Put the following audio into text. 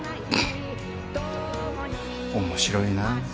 面白いな。